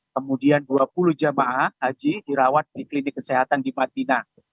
kemudian dua puluh jemaah haji dirawat di klinik kesehatan di madinah